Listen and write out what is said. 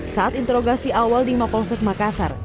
saat interogasi awal di mapolsek makassar